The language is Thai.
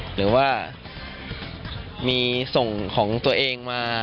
หรือว่ามีส่งของตัวเองมา